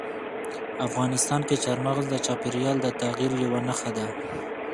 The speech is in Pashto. افغانستان کې چار مغز د چاپېریال د تغیر یوه نښه ده.